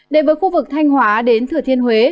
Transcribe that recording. đến với khu vực thanh hóa đến thừa thiên huế